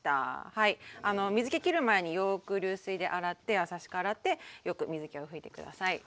水けきる前によく流水で洗って優しく洗ってよく水けを拭いて下さい。